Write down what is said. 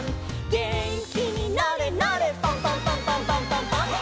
「げんきになれなれパンパンパンパンパンパンパン！！」